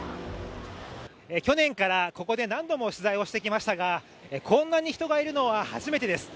去年からここで何度も取材をしてきましたがこんなに人がいるのは初めてです。